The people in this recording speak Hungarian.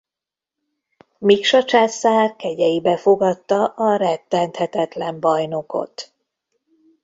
Miksa császár kegyeibe fogadta a rettenthetetlen bajnokot.